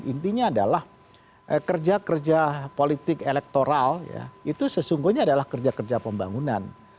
intinya adalah kerja kerja politik elektoral itu sesungguhnya adalah kerja kerja pembangunan